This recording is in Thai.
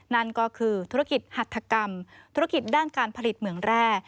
นั่นก็คือธุรกิจหัฐกรรมธุรกิจด้านการผลิตเหมืองแร่